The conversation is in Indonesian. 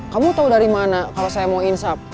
kamu tahu dari mana kalau saya mau insaf